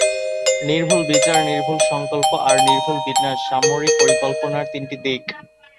নির্ভুল বিচার, নির্ভুল সংকল্প আর নির্ভুল বিন্যাস সামরিক পরিকল্পনার তিনটি দিক।